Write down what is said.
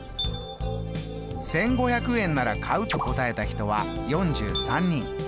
１５００円なら買うと答えた人は４３人。